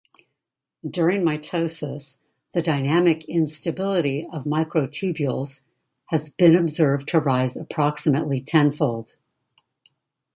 During mitosis the dynamic instability of microtubules has been observed to rise approximately tenfold.